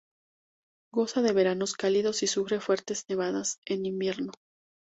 Goza de veranos cálidos y sufre fuertes nevadas en invierno.